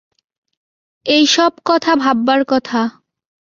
এই-সব কথা ভাববার কথা।